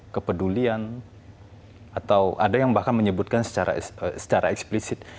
kepedulian atau ada yang bahkan menyebutkan secara eksplisit